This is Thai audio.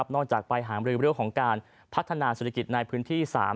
นอกจากไปหาเบลของการพัฒนาศรีกิจในพื้นที่